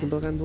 simpel kan bu